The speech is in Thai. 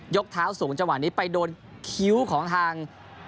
กเท้าสูงจังหวะนี้ไปโดนคิ้วของทาง